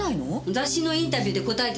雑誌のインタビューで答えてたの。